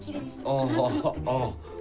ああ。